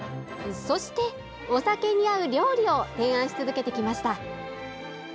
そして、お酒に合う料理を提案し続けてきました。